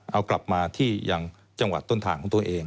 เอากลับมาที่ยังจังหวัดต้นทางของตัวเอง